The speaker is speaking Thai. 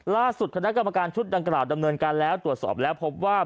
คณะกรรมการชุดดังกล่าวดำเนินการแล้วตรวจสอบแล้วพบว่า